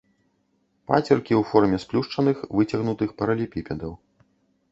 Пацеркі ў форме сплюшчаных выцягнутых паралелепіпедаў.